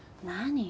何？